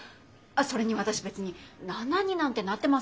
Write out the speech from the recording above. それに私別に７になんてなってませんし。